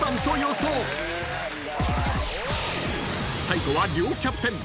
［最後は両キャプテン］